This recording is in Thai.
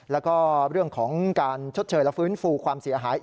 แล้วก็เรื่องของการชดเชยและฟื้นฟูความเสียหาย